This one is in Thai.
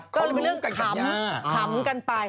ก็เลยเป็นเรื่องขำขำกันไป